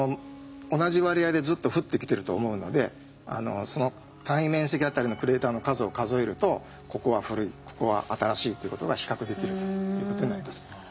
同じ割合でずっと降ってきてると思うのでその単位面積あたりのクレーターの数を数えるとここは古いここは新しいっていうことが比較できるということになります。